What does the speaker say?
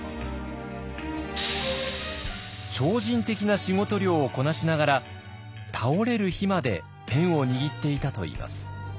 超人的な仕事量をこなしながら倒れる日までペンを握っていたといいます。